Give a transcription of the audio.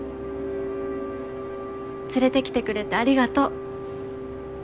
連れてきてくれてありがとう。